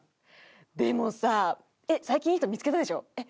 でもさ最近いい人見つけたでしょ？」